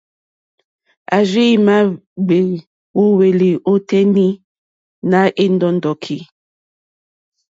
A rziima gbèe wo hwelì o tenì nà è ndɔ̀ndɔ̀ki.